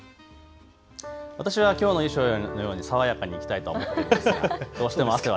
私はきょうの衣装のように爽やかに行きたいと思っています。